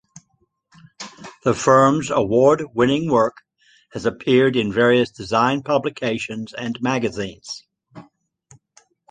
The firm's award-winning work has appeared in various design publications and magazines.